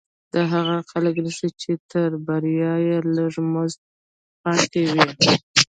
دا هغه خلک نيسي چې تر بريا يې لږ مزل پاتې وي.